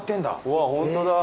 うわホントだ。